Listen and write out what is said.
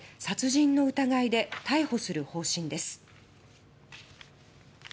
殺人の疑いで逮捕する方針です。